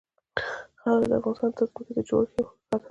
خاوره د افغانستان د ځمکې د جوړښت یوه ښکاره نښه ده.